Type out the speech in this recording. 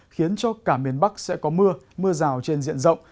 khiến cho cả miền bắc sẽ có mưa mưa rào trên diện rộng